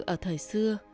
ở thời xưa